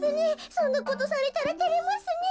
そんなことされたらてれますねえ。